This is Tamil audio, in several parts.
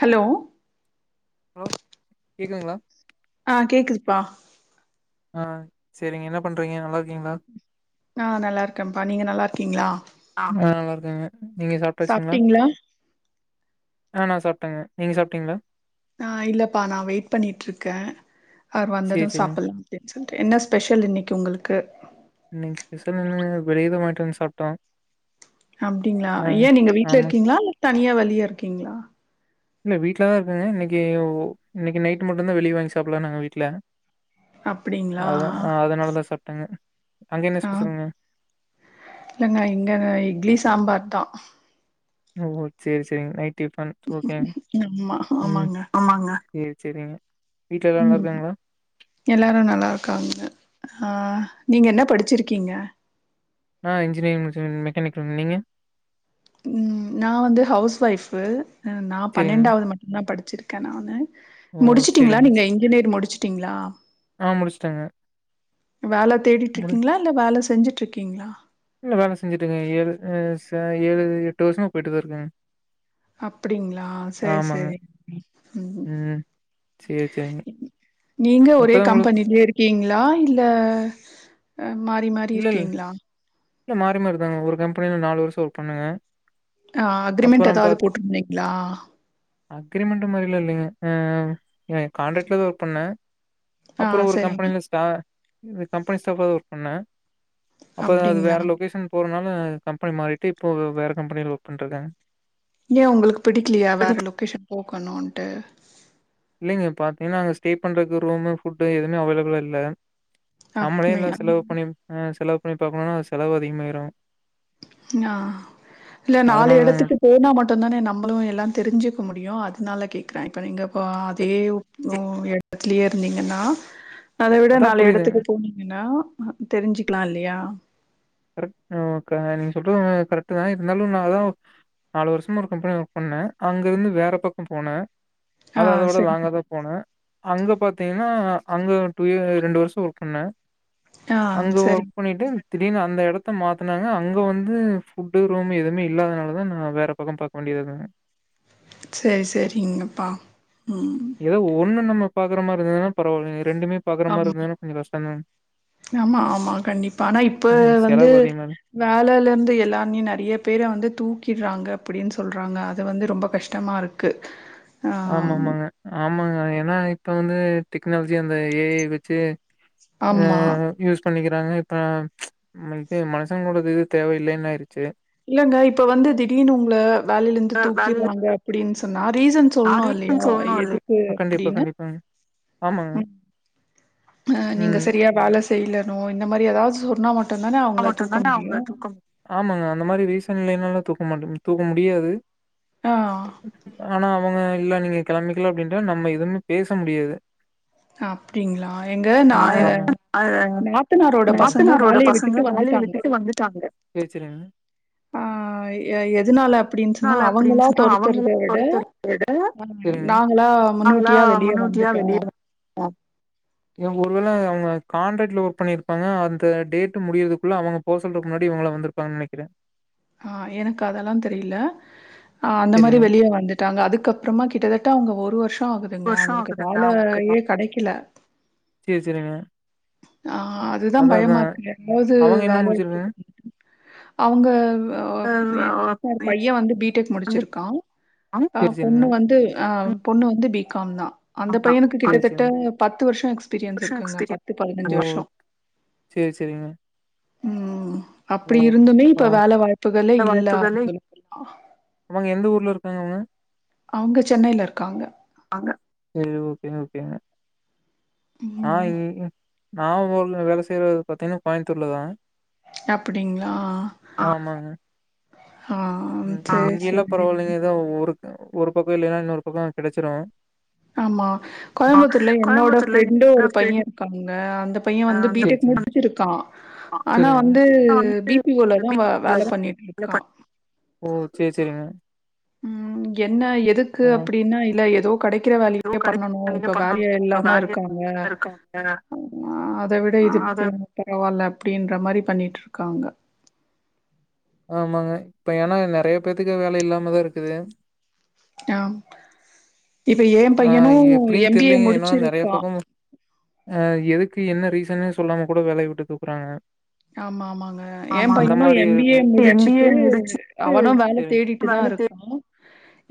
ஹலோ ஹலோ கேக்குதங்களா ஆ கேக்குதுப்பா ஆ சரிங்க என்ன பண்றீங்க நல்லா இருக்கீங்களா ஆ நல்லாிருக்கேன்ப்பா நீங்க நல்லாருக்கீங்களா நல்லா இருக்குங்க நீங்க சாப்டாச்சுங்களா சாப்ட்டீங்களா ஆ நா சாப்பட்டேங்க நீங்க சாப்பிட்டீங்களா ஆ இல்லப்பா நா வெயிட் பண்ணிட்டுருக்கே அவர் சேரி வந்ததும் சேரிங்க சாப்பிட்லா அப்படின் சொல்லிட்டே என்ன ஸ்பெஷல் இன்னைக்கு உங்களுக்கு இன்னைக்கி ஸ்பெஷல் என்ன வெளில வாங்கிட்டு வந்து சாப்பிட்டோம் அப்படிங்களா ஏன் நீங்க வீட்டுல ஆமா இருக்கீங்களா இல்ல தனியா வெளிய இருக்கீங்களா இல்ல வீட்டில் தா இருக்கங்க இன்னைக்கு இன்னைக்கு நைடட்டு மட்டும்தா வெளியே வாங்கி சாப்பிடலா நாங்க வீட்டில்ல அப்டிங்களா அத ஆ அதனாலதா சாப்பிட்டேங்க அங்க என்ன ஸ்பெசல்ங்க இல்ங்க இங்க இட்லி சாம்பார் தா ம் ஓ சரி சரி நைட்டு டிஃபன் ஓகேங்க ஆமா ம் ஆமாங்க ஆமாங்க சரி சரிங்க வீட்டல எல்லா நல்லா இருக்காங்களா எல்லாரும் நல்லாருக்காங்க ஆ நீங்க என்ன படிச்சிருக்கீங்க நா இன்ஜினியரிங் முடிச்ச மெக்கானிக்கல நீங்க நா வந்து ஹவுஸ் ஒய்ஃபு நா சேரிங்க பன்னெண்டாவது மட்டும்தா படிச்சிருக்கே நானு ஓ முடிச்சுட்டீங்களா சேரிங்க நீங்க இன்ஜினியர் முடிச்சுட்டீங்களா ஆ முடிச்சுட்டேங்க வேல தேடிட்டு முடி இருக்கீங்களா இல்ல வேல செஞ்சுட்டு இருக்கீங்களா இல்ல வேலை செஞ்சுட்டு இருக்க ஏழு ஏழு எட்டு வருஷமா போயிட்டு தா இருக்கங்க அப்படிங்களா சரி ஆமாங்க. சரி உம் ம். சேரி, சேரிங்க. நீங்க ஒரே இப்பதான் உங்களுக்கு கம்பெனிலயே இருக்கீங்களா இல் மாறி மாறி இல்ல இல்ல இருக்கீங்களா இல்ல மாறி மாறிதாங்க ஒரு கம்பெனியில நாலு வருஷம் ஒர்க் பண்ணுவ ஆ அக்ரரிமெண்ட் ஏதாவது போட்டருந்தந்தீங்களா அக்ரிமெண்ட் மாதிரில இல்லைங்க கான்ட்ராக்ட்ல தா ஒர்க் பண்ணே ஆ அப்புறம் ஒரு சரிங்க கம்பெனில ஷா அந்த கம்பெனி ஸ்டாபா தா ஒர்க் பண்ணே அப்போ அது வேற அப்டிங்களா லொகேஷன் போறனாலா கம்பெனி மாறிட்டு இப்போ வேற கம்பெனியில ஒர்க் பண்ணிட்டு இருக்க ஏ உங்களுக்கு பிடிக்கலையா வேற லொக்கேஷன் போக்கணும்ன்ட்டு இல்லைங்க பாத்தீங்கன்னா அங்க ஸ்டே பண்றதுக்கு ரூம் ஃபுட் எதுவுமே அவைலபிலா இல்ல நம்மளே அப்மே எல்லா செலவு பண்ணி் செலவு பண்ணி பாக்கணும்னா அது செலவு அதிகமாயிரும் ஆ இல்ல நாலு அதனாலதாங்க இடத்துக்கு போனா மட்டு தான நம்மளு எல்லா தெரிஞ்சிக்க முடியு அதனால கேக்குற இப்ப நீங்கப்ப அதே ஓங்க ஓங்க இடத்துல இருந்தீங்கன்னா அத விட அதா நாலு புரியுது எடத்துக்கு போனீங்னா தெரிஞ்சிக்கலா இல்லையா கரெக்ட் தா நீங்க சொல்றது கரெக்ட் தா இருந்தாலு நா அதா நாலு வருஷ ஒரு கம்பெனி ஒர்க் பண்ண அங்க இருந்து வேற பக்க போன ஆ அது அதோட சரி. லாங்காத போன அங்க பாத்தீங்னா அங்க டூ இயர் ரெண்டு வருஷ ஒர்க் பண்ண ஆ அங்க சரி. ஒர்க் பண்ணிட்டு திடீர்னு அந்த இடத்த மாத்தினாங்க அங்க வந்து ஃபுட்டு ரூம் எதுவுமே இல்லாததுனாலதா நா வேற பக்க பாக்க வேண்டி இருந்த செரி செரிங்கப்பா ம் ஏதோ ஒண்ணு நம்ம பாக்குற மாதிர இருந்தானா பரவாயில்ல ரெண்டுமே பாக்ற மாதிரி ஆமா. இருந்தானா கொஞ்ச கஷ்டதாங்க ஆமா ஆமா கண்டிப்பா ஆனா இப்ப வந்து செலவு அதிகமா வேலையில இருந்து எல்லாமே நெறைய பேர வந்து தூக்கிட்றாங்க அப்டின் சொல்றாங்க அது வந்து ரொம்ப கஷ்ட் டமாருக்கு ஆமா ஆமாங்க ஆமாங்க ஏன்னா இப்ப வந்து டெக்னாலஜி அந்த ஏ ஐ வெச்சு இப்ப ஆமா. யூஸ் பண்ணிக்கிறாங்க இப்ப இப்ப மனுசங்களோட இது தேவையில்லைன் ஆயிருச்சு இல்லங்க இப்ப வந்து திடீர்னு உங்க வேலைலிருந்து அ வேலைல தூக்கிட்றாங்க அப்டின் சொன்னா ரீசன் சொ தோணு யாரையு இல்லயா சொல்லணு எதுக்கு இல்லையா கண்டிப்பா அப்டின்னு கண்டிப்பாங்க ஆமாங்க அ நீங்க ம் செரியா வேல செய்லனு இந்த மாரி ஏதாவது சொன்னா மட் ட்டுதான அவங்கள தூக்க மட்டுந்தான முடியு அவுங்கள தூக்க முடியு ஆமாங்க அந்த மாரி ரீசன் இல்லேனால்லா தூக்க மாட்டேங் தூக்க முடியாது ஆ. ஆனா அவங்க இல்ல நீங்க கெளம்பிக்லா அப்டின்டா நம்ப எதுமே பேச முடியாது அ அப்டிங்ளா எங்க ஆ நா எங் எங்க நாத்தனாரோட பசங்க நாத்தனாரோட வேலைக் பசங்க வேலைய விட்டுட்டு வந்துட்டாங்க எதனால ஆ எ எதனால அப்படின்னு சொன்னா, அப்டின் அவங்களா சொன்னா அவங்கள தொரத்துறத விட, பொறுத்த அ வரைக்கு நாங்களா ஆனா முன்னூட்டியா வெளிய முன்னூட்டியா வந்துட்டோம். வெளியேற அ இவுங்க ஒருவேள அவங்க காண்ட்ராக்ட்ல ஒர்க் பண்ணிருப்பாங்க அந்த டேட் ட்டு முடியறதுக்குள்ள அவங்க போ சொல்றக் முன்னாடி இவங்களா வந்திருப்பாங்க நெனைக்கிற ஆ எனக்கு அதெல்லா தெரியில ஆ அந்த மாரி செரிங்க வெளிய வந்து ட்டாங்க அதுக்கப்புறமா கிட்டதட்ட அவங்க ஒரு வருஷ ஆகுதுங்க வருஷோ அவுங்குளுக்கு ஆகுதுங்க வேலையே கெடைக்கில சேர் சேரிங்க ஆ அதுதா அதா அதா பயமா இருக்கு ஏதாவது அவங்க என்ன வேலய முடிச்சிருக்காங்க [inaudible] அவங்க [inaudible] பைய வந்து பி டெக் முடிச்சிருக்கா அ சேரி சேரிங்க பொண்ணு வந்து அ பொண்ணு வந்து பி காம் தா அந்த பையனுக்கு சேரி கிட்டத்தட்ட சேரிங்க பத்து வருஷ எக்ஸ்பீரியன்ஸ் வருஷோ இருக்குங்க எக்ஸ்பீரியன் பத்து பதனஞ்சு ஓ வருஷோ சேரி சேரிங்க ம் ஓ அப்டி இருந்துமே ஆ இப்ப வேல வாயப்புகளே இந்த இல்ல [inaudible] வாய்ப்புகளே அவங்க எந்த ஊர்ல இருக்காங்க அவங்க அவங்க சென்னையில இருக்காங்க ஆங்க சேரி ஓகே ஓகேங்க ஆ ம். [inaudible] நா ஊர்ல வேல செய்யறது பாத்தீனா கோயம்த்தூர்ல தா அப்டிங்ளா ஆமாங்க ஆ சரி, ம் இல்ல சரி. பரவாயில்லங்க ஏதோ ஒரு ஒரு பக்கோ இல்லேனா இன்னொரு பக்கோ கெடைச்சிரு ஆம்மா கோயம்புத்தூர்ல என்னோட ஃப்ரெண்டு என்னோட ஒரு ஃப்ரெண்ட் பைய இருக்காங்க அந்த பைய வந்து பீ டெக் முடிச் சிருக்கா ஆனா வந்து ஆ வந்து பி பி ஓ லதா வே வேல பண்ணிட்ருக்கா ஓ சேர் சேரிங்க உம் என்ன எதுக்கு ஆ அப்டினா இல்ல எதோ கெடைக்கிற எதுவு வேலையே பண்ணணு கடைல நீங்க இப்ப பண்ணணு வேலையே இப்ப இல்லாம வேலையா இருக்காங்க இருக்காங்க அ அத விட இதுக் அத பரவாயில்ல அப்டின்ற மாரி பண்ணிட்ருக்காங்க ஆமாங்க இப்ப ஏன்னா நெறைய பேத்துக்கு வேல இல்லாம தா இருக்குது ஆ இப்ப எ ஆ பையனு எப்டின்னு எம் பி ஏ முடிச்சிருக்கா அ எதுக்கு என்ன ரீசன்னே சொல்லாம கூட வேலய விட்டு தூக்கறாங்க ஆமா ஆமாங்க எ பையனு எம் பி ஏ இருக்கு எம் பி ஏ முடிச்சிட்டு முடிச்சுட்டு அவனு வேல தேடிட்டு தா வேல இருக் தே கா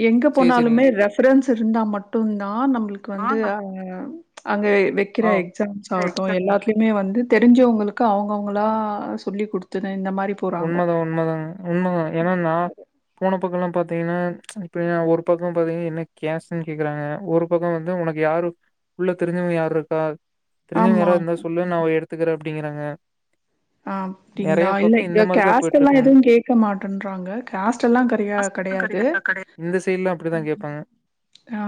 எங்க சேரி சேரிங்க போனாலுமே ரெப் ரண்ட்ஸ் இருந்தா மட்டு தா நம்புளுக்கு ஆ வந்து நம் அங்க கிற ஆ எக்ஸாம்ஸ் ஆவட்டு எக்ஸாம் எல்லாத்துலியுமே வந்து தெரி்ஞ்சவங்களுக்கு அவுங்கவுங் களா சொல்லி குடுத்து தா இந்த மாரி போறாங்க. உண்மதா உண்மதாங் உண்மதா ஏனா நா போன பக்கலா பாத்தீங்கனா இப்டினா ஒரு பக்கோ பாத்தீங்கனா என்ன கேஸ்ட்டுன் கேக்கறாங்க ஒரு பக்கோ வந்து உனக்கு யாரு உள்ள தெரிஞ்சவங்க யார்ருக்கா தெரிஞ்சவங்க ஆமா. யாரா இந்தா சொல்லு நா அவ எடுத்துக்கறே அப்டிங்கறாங்க ஆ அப்டிங்ளா இல் இங்க கேஸ்ட் போயிட்டு எல்லா இருக்குங்க எதுவு கேக்க மாட்டன்றறாங்க கேஸ்ட் எல்லா கறயா மாஸ்க்லா கெடையாது கெடைக்காதா கடை இந்த சைட்ல்லா அப்டிதா கேப்பாங்க ஆ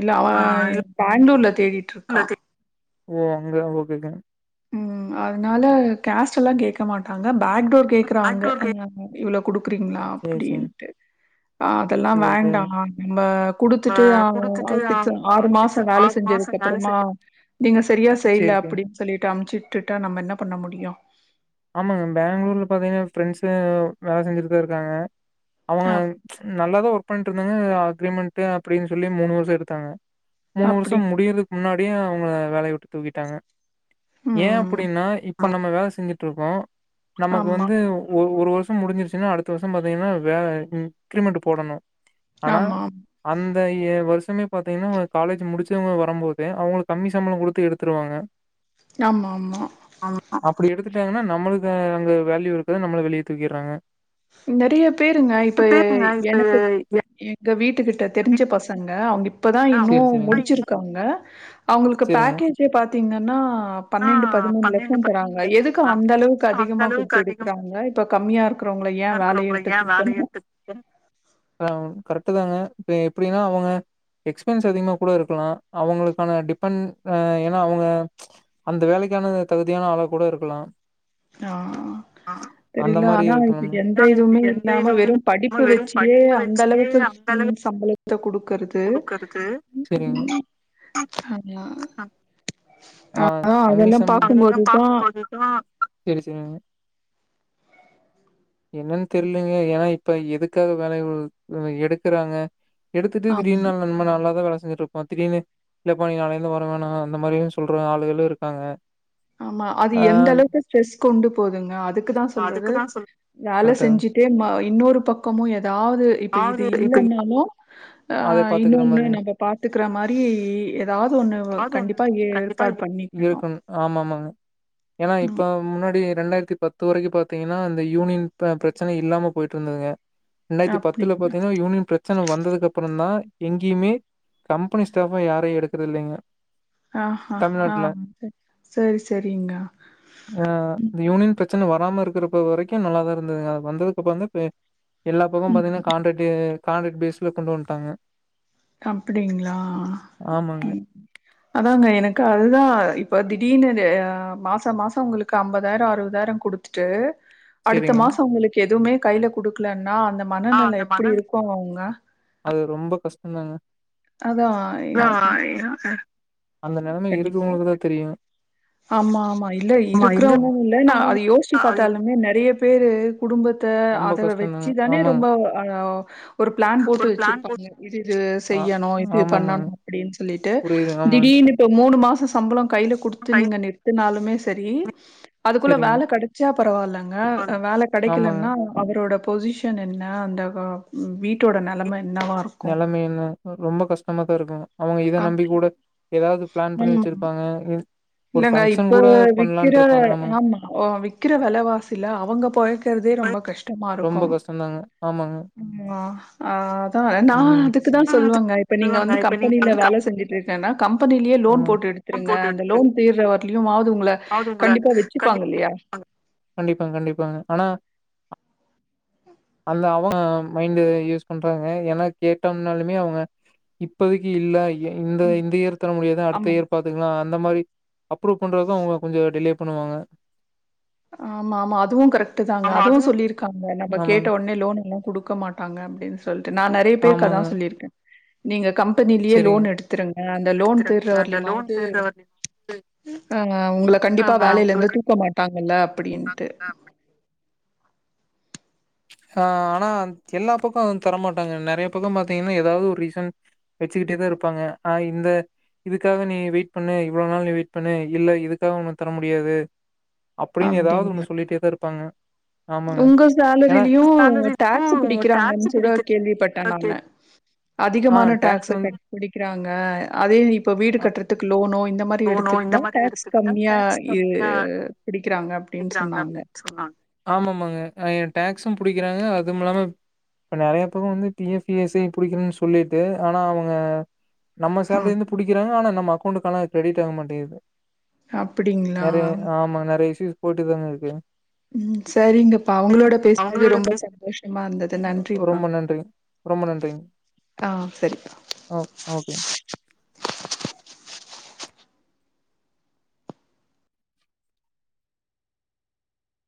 இல்ல அவ ஆ இல்ல பேங்ளூர்ல தேடிட் ஓ அங்யா ஓகேங்க ம் அதனால கேஸ்ட் எல்லா கேக்க மாட்டாங்க பேக் டோர் கேக்றாங்க ஆக்டோர் கேம் இவ்ளோ குடுக்குறீங்ளா சேரி சேரி அப்டின்ட்டு அ அதெல்லா சேரி வேண்டா சேரிங்க நம்ப குடுத்துட்டு ஆ குடுத்துட்டு ஆ [unintelligible] ஆறு மாசோ சிக்ஸ் வேல ஆறு செஞ்சதுக் மாசம் வேல அப்புறமா செஞ்சு நீங்க செரியா செய்யல சேரி சேரி அப்டின் சொல்லிட்டு அமுச்சு விட்டுட்டா நம்ம என்ன பண்ண முடியு ஆமாங்க பேங்களூர்ல பாத்தீங்கனா ஃப்ரெண்ட்ஸு வேல செஞ்சிட்டுதா இருக்காங்க அவுங்க அப் நல்லாதா ஒர்க் பண்ட்டு இருந்தாங்க அக்ரிமெண்ட் அப்டின் சொல்லி மூணு வருஷோ எடுத்தாங்க மூணு வருஷோ அப்படி முடியறதுக்கு முன்னாடியே அவுங்க வேலைய விட்டு தூக்கிட்டாங்க ஏ ம். அப்டின்னா இப்ப நம்ம வேல செஞ்சிட்ருக்கோ நமக்கு ஆமா, வந்து ஒரு ஒரு வருஷோ ச முடிஞ்சிருச்சுனா அடுத்த வருஷோ பாத்தீங்கனா வேற இன்கிரிமெண்ட் போடனு ஆனா ஆமா, அந்த இய வருஷமே பாத்தீங்கனா காலேஜ் முடிச்சவங்க வரம்போது அவுங்களுக் கம்மி சம்பளோ குடுத்து எடுத் துருவாங்க ஆமா ஆமா அப்டி எடுத்துட்டாங்கனா நம்மளுக்கு அங்க வேல்யூ இருக்காது நம்மள வெளிய தூக்கிறாங்க நெறைய பேருங்க இப்ப எ பேருங்க இப்ப எனக்கு எ இங்க வீட்டுக்கிட்ட தெரிஞ்ச பசங்க அவுங்க இப்பதா இன்னு சேரி சேரிங்க முடிச்சிருக்காங்க அவுங்களுக்கு சேரிங்க பேக்கேஜே பாத்தீங்கன்னா ஆ பண்ணண்டு பதிமூனு பன்னெண்டு லட்ச பதிமூணு தராங்க லட்சம் எதுக்கு தராங்க அந்த அளவுக்கு அந்த அதிகமா அளவுக்கு குடுத்து அதிகமா எடுக்கறாங்க இப்ப கம்மியாருக்கு உங்கள ஏ வேலைய இருக்கிறவங்கள விட்டு ஏ தூக்கனு வேலைய ஆ கரெக்டு தாங்க இப்ப எப்டின்னா அவுங்க எக்ஸ்பென்ஸ் அதிகமா கூட இருக்கலா அவுங்களுக்கான டிபெண் ஆ ஏனா அவுங்க அந்த வேலைக்கான தகுதியான ஆளா கூட இருக்கலா ஆ அந்த தெரியல மாரி ஆனா இப்ப இருக்கலாம்ல எந்த ஆனா இதுவுமே இதுக்கு எந்த இல்லாம இதுவுமே வெறு இல்லாம படிப்பு வெறு வெச்சியே படிப்பு அந்த வச்சியே அளவுக்கு அந்த ம் அளவுக்கு சம்பளத்த குடுக்கறது குடுக்கறது சேரிங்க ஆமா ஆ கம்மி அதெல்லா பாக்கும்போதுதா சம்பள செரி செரிங்க என்னன் தெரிலைங்க ஏனா இப் இப்ப எதுக்காக வேலய வு எடுக்கறாங்க எடுத்துட்டு ஆம் திடீர்னு ந [unintelligible] நால்லாவே வேல செஞ்சிட்ருப் இப்ப திடீர்னு இல்லப்பா நீ நாலைலந்து வர வேனா அந்த மாரியு சொல்ற ஆளுகளு இருக்காங்க ஆமா அது ஆ எந்த அளவுக்கு ஸ்ட்ரெஸ் கொண்டு போதுங்க அதுக்குதா அதுக்கு சொல்றது தான் சொல்றேன். வேல கரெக்ட்டா. செஞ்சிட்டே ம இன்னொரு பக்கமு எதாது இப்ப இது ஆவது இப்ப இல்லன்னாலு அ அத பாத்துக்குற இன்னொன்னு மாரி. நம்ம பாத்துக்கிற மாரி எதாது ஒன்னு அது ஒண்ணு கண்டிப்பாக கண்டிப்பா ஏற்பாடு இரு பண்ணிக்கினு ஆமாமாங்க ஏனா இப்ப முன்னாடி ரெண்டாயிர்த்தி பத்து வரைக்கு பாத்தீங்கன்னா இந்த யூனியன் ப பிரச்சன இல்லாம பொயிட்டு இருந்ததுங்க ரெண்டாய்த்தி பத்துல அப்டின்னு பாத்தீங்கன்னா யூனியன் பிரச்சன வந்தது அப்றோ தா எங்கேயுமே கம்பெனி ஸ்டாபா யாரையு எடுக்கறது இல்லைங்க ஆ ஆ தமிழ்நாட்ல. ஆம் சரி சரிங்க ஆ ம் இந்த யூனியன் பிரச்சன வராம இருக்குறப்ப வரைக்கு நல்லாதா இருந்ததுங்க அது வந்ததுக்கு அப்றோ தா பே எல்லா பக்கோ ம் பாத்தீங்கன்னா கான்ரைட்டு கான்ரைட் பேஸ்ல கொண்டு வந்துட்டாங்க அப்டிங்ளா ஆமாங்க. ம் அதாங்க எனக்கு அதுதா இப்ப திடீர்னு இது அ மாச மாச ஒங்ளுக்கு ஐம்பதாயிர அறுவதாயிர குடுத் திட்டு அடுத்த சரிங்க. மாசோ ஒங்ளுக்கு எதுமே கையில குடுக்லன்னா அந்த ஆ மனநெல அந்த மன எப்டி இருக்கு அவுங்க அது ரொம்ப கஷ்ட்டதாங்க அதா அந்த நெலமை கண்டிப்பா இருக்றவங்களுக்குதா தெரியு ஆமா ஆமா இல்ல ஆமா ம். இருக்கிறவங்கன் இல்ல நா அத யோசுச்சு அது பாத்தாலுமே நெறைய பேரு குடும்பத்த ரொம்ப அத வெச்சி கஷ்டந்தாங்க. தானே ஆமாங்க. ரொம்ப அ ஒரு பிளான் போட்டு ஒரு பிளான் போட் வெச்சிருப்பாங்க இது இது ஆ செய்யணு இது பண்ணணு ஆமாமாங்க. அப்டின் சொல்லிட்டு புரியுது ஆமாங்க. திடீர்னு இப்ப மூணு மாச சம்பள கையில குடுத்து நீங்க நிறுத்துனாலுமே சரி அதுக்குள்ள சரிங்க. வேல கெடச்சா பரவால்லங்க வேல ஆமாங்க. கெடைக்கலனா அவரோட பொசிஷன் என்ன அந்த வா வீட்டோட நெலம என்னவாக நெலமைைல ரொம்ப கஷ்ட்டமா தா இருக்குங்க அவங்க இத நம்பி ஆமா. கூட எதாது பிளான் பண்ணி ம். வச்சிருப்பாங்க ஒரு இல்லங்க ஃபங்க்ஷன் இப்ப கூட விக்கிற பண்லான்ட்டு இருப்பாங்க ஆமாங்க ஆமா விக்கிற வெலவாசில அவங்க பொலய்க்கறதே ரொம்ப கஷ் ட்டமா இருக்கும் ம் ஆமாங்க ம் ஆ அதா நா ம் அதுக்குதா ம் அது சொல்வங்க இப்ப நீங்க சொல்லுவாங்க வந்து இப்ப நீங்க கம்பெனில வந்து கம் வேல செஞ்சிட்டு இரு க்கனா கம்பெனிலே லோன் ஆமாங்க போட்டு ம் எடுத்திருங்க போட்டு அந்த எடுத்துருங்க லோன் தீர்ற வரலயுமாது ஒங்கள அதாவது உங்கள கண்டிப்பா வெச்சிப்பாங்க கண்டிப்பா இல்லயா எடுப்பாங்க. கண்டிப்பாங்க கண்டிப்பாங்க ஆனா அந்த அவ மைண்டு யூஸ் பண்றாங்க ஏனா கேட்டம்னாலுமே அவங்க இப்போதைக்கு இல்ல ஏ இந்த இந்த இயற்துல முடியாது அடுத்த ஆமா. இயற் பாத்துக்லா அந்த மாரி அப்ரூவ் பண்றது தா அவங்க கொஞ்ச டிலே பண்ணுவாங்க ஆமா ஆமா அதுவு கரெக்ட் தாங்க அதுவு சொல்லியிருக்காங்க நம்ம கேட்ட ஆமாங்க ஒடனே லோன் எல்லா குடுக்க மாட் டாங்க அப்டின் சொல்ட்டு நா நெறைய பேருக்கு அதா ஆமாங்க சொல்லிர்க்கே நீங்க கம்பெனிலே செரிங்க லோன் எடுத்துருங்க அந்த லோன் எடுத்துருங்க தீர்ற அந்த லோன் வர்லிமாது தீர்ற வரைலு ஆ ஒங்கள கண்டிப்பா ஆ வேலைல உங்கள இருந்து கண்டிப்பா தூக்க மாட்டாங்கல்ல அப்டின்ட்டு சா ஆனா எல்லா பக்கோ வந் தரமாட்டாங்க நெறைய பக்க பாத்தீங்கன்னா எதாது ஒரு ரீசன் வெச்சிகிட்டேதா இருப்பாங்க ஆ இந்த இதுக்காக நீ வெயிட் பண்ணு இவ்ளோ நாள் நீ வெயிட் பண்ணு இல்ல இதுக்காக ஒனக்கு தர முடியாது அப்டின் எதாது அப்படிங்களா? ஒன்னு சொல்லிட்டே தா இருப்பாங்க ஆமாங்க ஏன்னா சேலரிலியு டேக்ஸு சேலரிக்கும் டாக்ஸ் புடிக்கிறாங்கன் சொல்லி பிடிக்கிறதா கேள்விப்பட்டே கே நானு ஆ அதிகமான டாக்ஸ் டேக்ஸு வந்து கட் புடிக்கிறாங்க அதே இப்ப வீடு அ கட்றதுக்கு லோனோ இந்த மாரி தி லோனோ இந்த எடுத்துக்கிட்டா மாரி டேக்ஸ் எடுத்துக்கிட்டா கம்மியா டாக்ஸ் ஏ கம்மியா பிடிக்கிறாங்க அப்டின் பிடிக்கிறாங்க சொன்னாங்க அப்டின்னு சொன்னாங்க ஆமாமாங்க எ டேக்ஸு புடிக்கிறாங்க அதுமில்லாம இப்ப நறைய பேரு வந்து P F E S I புடிக்கிறன்னு சொல்லிட்டு ஆனா அவங்க நம்ம ஆ. சேலரிலேந்து புடிக்கிறாங்க ஆனா நம்ம அக்கோண்ட்க்கு ஆனா அது கிரெட் ஆக மாட்டேங்கிது அப்டிங்களா நெறைய ஆமாங்க நெறைய இஸ்யூஸ் போயிட்டுதாங்க இருக்கு ம் சரிங்கப்பா சரி உங்களோட பேசுனது அவங்களோட ரொம்ப பேச சந்தோஷமா இருந்தது நன்றிப்பா ரொம்ப நன்றிங் ரொம்ப நன்றிங் ஆ சரி ஓ ஓகே